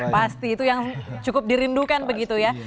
pasti itu yang cukup dirindukan begitu ya